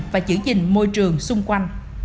và giữ gìn môi trường xung quanh